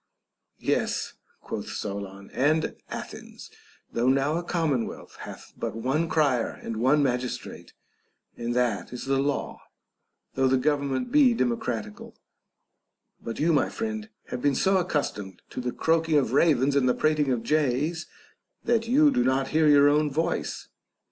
Yes, quoth Solon, and Athens, though now a com monwealth, hath but one crier and one magistrate, and that is the law, though the government be democratical ; but you, my friend, have been so accustomed to the croaking of ravens and the prating of jays, that you do not hear your own voice.